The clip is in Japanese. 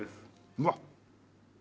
うわっ。